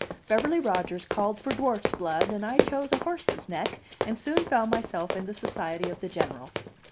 Beverly Rodgers called for dwarf's blood, and I chose a horse's neck, and soon found myself in the society of the General.